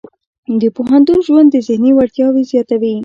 د پوهنتون ژوند د ذهني وړتیاوې زیاتوي.